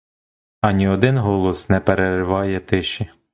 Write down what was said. Ані один голос не перериває тиші.